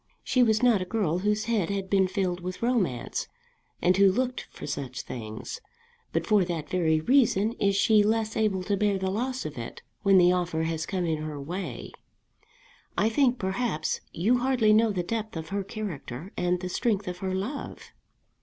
She was not a girl whose head had been filled with romance, and who looked for such things. But for that very reason is she less able to bear the loss of it when the offer has come in her way. I think, perhaps, you hardly know the depth of her character and the strength of her love."